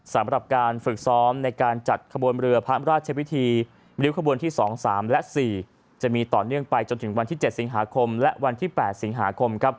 สำหรับการฝึกซ้อมในการจัดขบวนเรือพระราชพิธีริ้วขบวนที่๒๓และ๔จะมีต่อเนื่องไปจนถึงวันที่๗สิงหาคมและวันที่๘สิงหาคม